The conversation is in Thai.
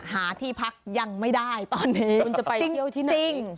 หาที่พักยังไม่ได้ตอนนี้คุณจะไปเที่ยวที่นั่นจริง